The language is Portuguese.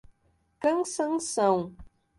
Cansanção